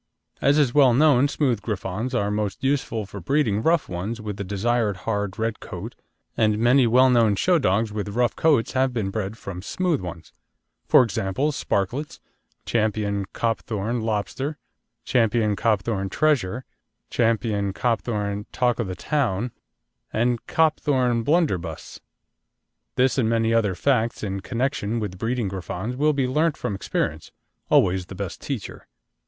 As is well known, smooth Griffons are most useful for breeding rough ones with the desired hard red coat, and many well known show dogs with rough coats have been bred from smooth ones: for example, Sparklets, Ch. Copthorne Lobster, Ch. Copthorne Treasure, Ch. Copthorne Talk o' the Town, and Copthorne Blunderbuss. This and many other facts in connection with breeding Griffons will be learnt from experience, always the best teacher.